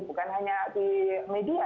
bukan hanya di media